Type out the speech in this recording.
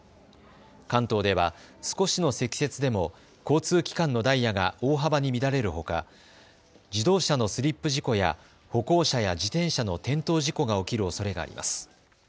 関東では少しの積雪でも交通機関のダイヤが大幅に乱れるほか自動車のスリップ事故や歩行者や自転車の転倒事故が起きるおそれがあります。